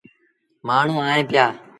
مآڻهوٚݩ ائيٚݩ پيآ۔